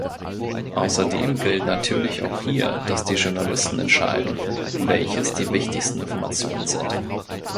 Außerdem gilt natürlich auch hier, dass die Journalisten entscheiden, welches die „wichtigsten“ Informationen sind.